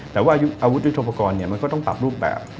แต่ว่าอาวุธยุทธโปรกรณ์มันก็ต้องปรับรูปแบบ